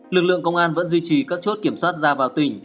lực lượng công an vẫn duy trì các chốt kiểm soát ra vào tỉnh